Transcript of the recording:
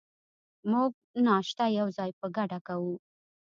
موږ به ناشته یوځای په ګډه کوو.